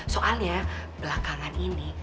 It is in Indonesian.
soalnya belakangan ini